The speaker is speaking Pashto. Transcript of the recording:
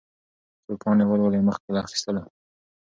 څو پاڼې ولولئ مخکې له اخيستلو.